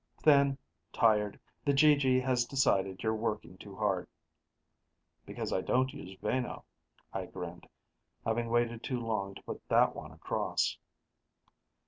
"Thin, tired: the GG has decided you're working too hard." "Because I don't use Vano." I grinned, having waited long to put that one across.